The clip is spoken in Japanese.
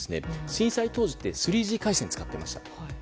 震災当時って３Ｇ回線を使ってました。